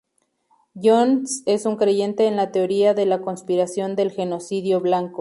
Jones es un creyente en la teoría de la conspiración del genocidio blanco.